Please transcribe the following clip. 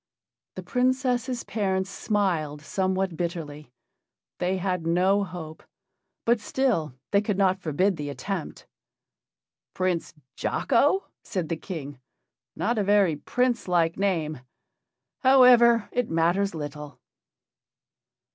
The Princess' parents smiled somewhat bitterly. They had no hope, but still they could not forbid the attempt. "Prince Jocko?" said the King, "not a very prince like name. However, it matters little."